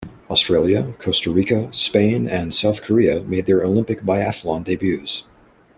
Australia, Costa Rica, Spain and South Korea made their Olympic biathlon debuts.